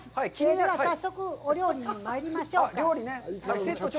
では、早速、お料理にまいりましょう。